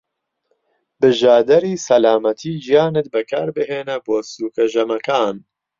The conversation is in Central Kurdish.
بژادەری سەلامەتی گیانت بەکاربهێنە بۆ سوکە ژەمەکان.